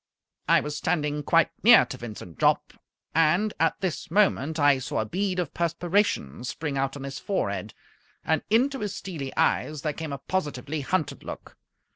I was standing quite near to Vincent Jopp, and at this moment I saw a bead of perspiration spring out on his forehead, and into his steely eyes there came a positively hunted look.